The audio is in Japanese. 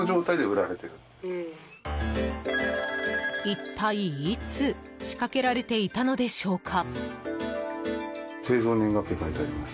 一体いつ仕掛けられていたのでしょうか。